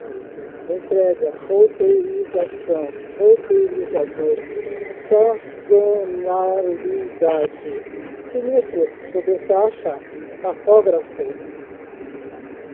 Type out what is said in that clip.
reconciliação recibo de entrega roteirização roteirizador sazonalidade sinistro sobretaxa tacógrafo tacômetro autônomo